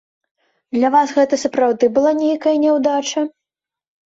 Для вас гэта сапраўды была нейкая няўдача?